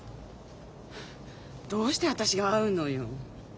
どうして私が会うのよ。